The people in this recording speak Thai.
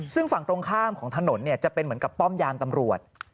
ซึ่งฝั่งตรงข้ามของถนนจะเป็นเหมือนกับป้อมยามตำรวจ